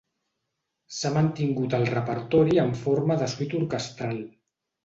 S'ha mantingut al repertori en forma de suite orquestral.